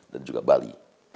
dan juga bali